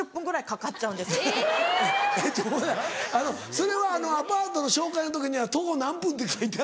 それはアパートの紹介の時には徒歩何分って書いてあるの？